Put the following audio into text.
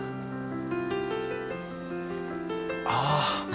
ああ。